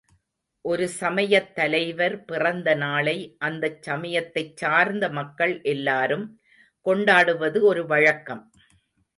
ஒரு சமயத் தலைவர் பிறந்த நாளை அந்தச் சமயத்தைச் சார்ந்த மக்கள் எல்லாரும் கொண்டாடுவது ஒரு வழக்கம்.